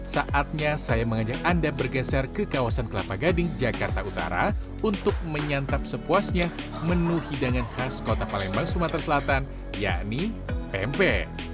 saatnya saya mengajak anda bergeser ke kawasan kelapa gading jakarta utara untuk menyantap sepuasnya menu hidangan khas kota palembang sumatera selatan yakni pempek